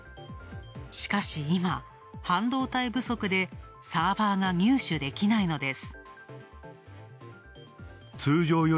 しかし今、半導体不足でサーバーが入手できないのです。